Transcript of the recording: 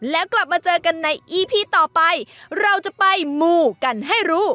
แล้วกลับมาเจอกันในอีพีต่อไปเราจะไปมูกันให้รู้